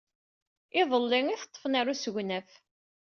Iḍelli ay t-ḍḍfen ɣer usegnaf.